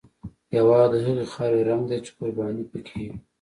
هېواد د هغې خاورې رنګ دی چې قرباني پکې وي.